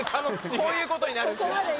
こういうことになるんですよ